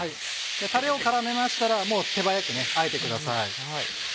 タレを絡めましたら手早くあえてください。